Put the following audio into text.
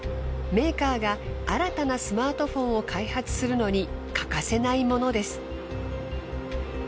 メーカーが新たなスマートフォンを開発するのに欠かせないものです。